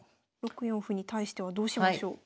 ６四歩に対してはどうしましょう？